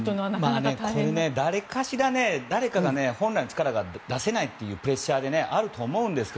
誰かが、本来の力が出せないというプレッシャーってあると思いますが。